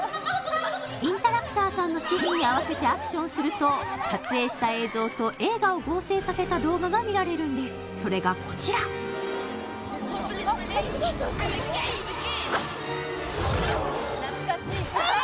インタラクターさんの指示に合わせてアクションするとさせた動画が見られるんですそれがこちらえっ